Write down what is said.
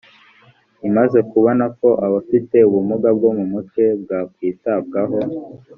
imaze kubona ko abafite ubumuga bwo mumutwe bwakwitabwaho